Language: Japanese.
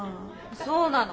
そうなの。